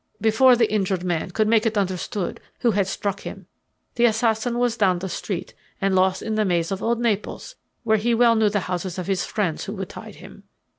Before the injured man could make it understood who had struck him the assassin was down the street and lost in the maze of old Naples where he well knew the houses of his friends who would hide him.